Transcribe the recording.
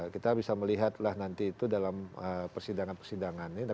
kita bisa melihatlah nanti itu dalam persidangan persidangan ini